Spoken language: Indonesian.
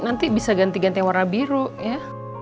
nanti bisa ganti ganti warna biru ya